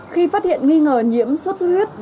khi phát hiện nghi ngờ nhiễm suốt suốt huyết